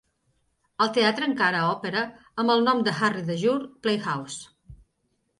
El teatre encara opera, amb el nom de Harry De Jur Playhouse.